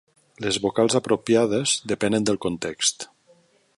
Les vocals apropiades depenen del context.